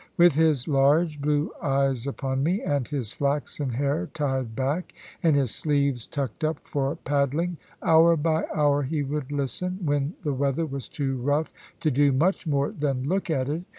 With his large blue eyes upon me, and his flaxen hair tied back, and his sleeves tucked up for paddling, hour by hour he would listen, when the weather was too rough to do much more than look at it.